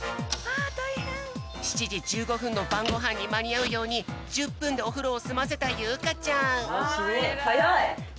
７じ１５ふんのばんごはんにまにあうように１０ぷんでおふろをすませたゆうかちゃん。